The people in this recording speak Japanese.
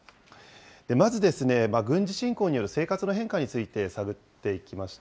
まず、軍事侵攻による生活の変化について探っていきました。